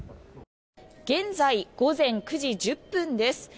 現在午前９時１０分です。